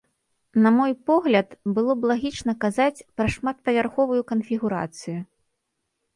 На мой погляд, было б лагічна казаць пра шматпавярховую канфігурацыю.